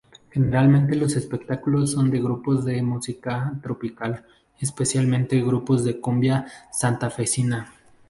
Generalmente los espectáculos son de grupos de música tropical, especialmente grupos de cumbia santafesina.